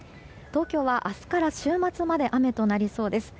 東京は明日から週末まで雨となりそうです。